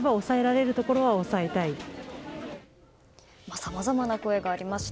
さまざまな声がありました。